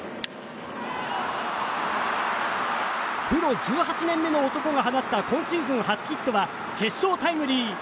プロ１８年目の男が放った今シーズン初ヒットは決勝タイムリー！